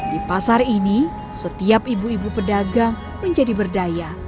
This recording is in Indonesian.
di pasar ini setiap ibu ibu pedagang menjadi berdaya